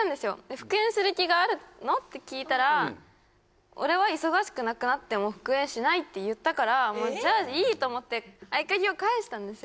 「復縁する気があるの？」って聞いたら「俺は忙しくなくなっても復縁しない」って言ったからもうじゃあいいと思って合鍵を返したんですよ